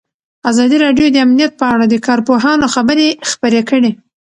ازادي راډیو د امنیت په اړه د کارپوهانو خبرې خپرې کړي.